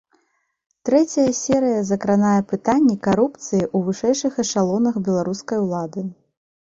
Трэцяя серыя закранае пытанні карупцыі ў вышэйшых эшалонах беларускай улады.